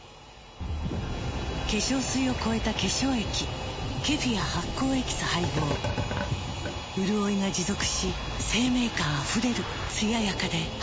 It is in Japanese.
⁉化粧水を超えた化粧液ケフィア発酵エキス配合うるおいが持続し生命感あふれるつややかで彩やかな